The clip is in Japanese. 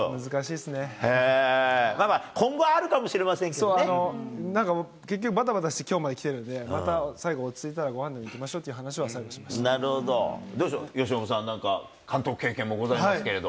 まあまあ、今後あるかもしれなんか、結局ばたばたしてきょうまできてるんで、また最後、落ち着いたら、ごはんでも行きましょうっていう話は、どうでしょう、由伸さん、監督経験もございますけど。